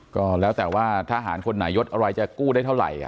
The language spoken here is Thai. ก็แล้วแต่ว่าทหารคนไหนยดอะไรจะกู้ได้เท่าไหร่